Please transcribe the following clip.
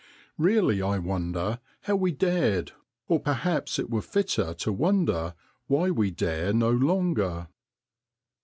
Really I wonder how we dared, or perhaps it were fitter to wonder why we dare no longer.